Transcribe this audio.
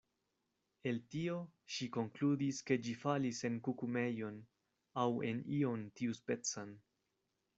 El tio ŝi konkludis ke ĝi falis en kukumejon, aŭ en ion tiuspecan.